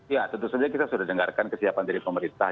ya tentu saja kita sudah dengarkan kesiapan dari pemerintah